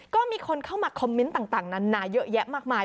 ก็มีคนเข้ามาคอมเมนต์ต่างนานาเยอะแยะมากมาย